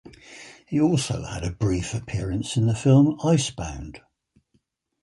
He also had a brief appearance in the film "Ice Bound".